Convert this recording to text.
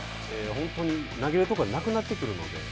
本当に投げるところがなくなってくるので。